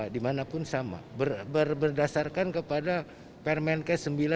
dimanapun sama berdasarkan kepada permen k sembilan dua ribu dua puluh